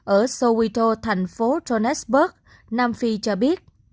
ở soweto thành phố johannesburg nam phi cho biết